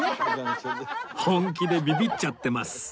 本気でビビっちゃってます